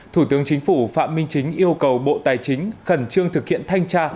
thủ tướng chính phủ phạm minh chính yêu cầu bộ tài chính khẩn trương thực hiện thanh tra